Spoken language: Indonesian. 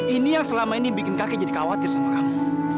ini yang selama ini bikin kakek jadi khawatir sama kamu